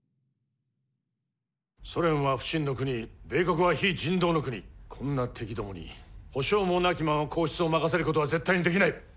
ソ連は不信の国米国は非人道の国こんな敵共に保証もなきまま皇室を委せることは絶対に出来ない！